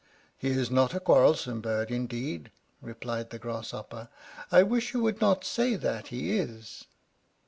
"He is not a quarrelsome bird indeed," replied the Grasshopper. "I wish you would not say that he is."